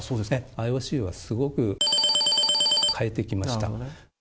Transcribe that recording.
ＩＯＣはすごく×××を変えてきました。